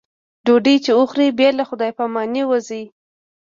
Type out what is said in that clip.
ډوډۍ چې وخوري بې له خدای په امانۍ وځي.